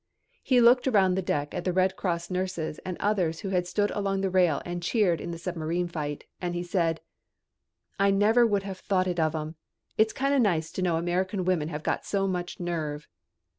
He looked around the deck at the Red Cross nurses and others who had stood along the rail and cheered in the submarine fight, and he said: "I never would have thought it of 'em. It's kinda nice to know American women have got so much nerve."